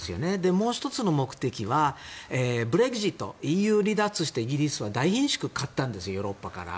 もう１つの目的はブレグジット、ＥＵ離脱したイギリスは大ひんしゅくを買ったんですヨーロッパから。